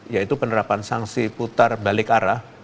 yaitu penerapan sanksi putar balik arah